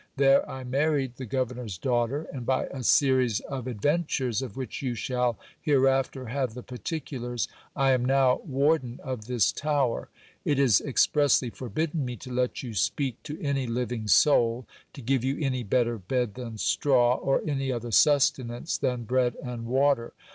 There I married the go vernor's daughter, and by a series of adventures of which you shall hereafter have the particulars, I am now warden of this tower. It is expressly forbidden me to let you speak to any living soul, to give you any better bed than straw, or any other sustenance than bread and water.